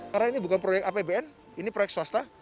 karena ini bukan proyek apbn ini proyek swasta